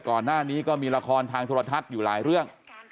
ก่อนหน้านี้ก็มีละครทางโทรทัศน์อยู่หลายเรื่อง